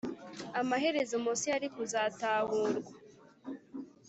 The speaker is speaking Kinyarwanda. amaherezo Mose yari kuzatahurwa